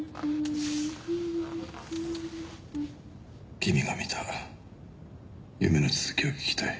君が見た夢の続きを聞きたい。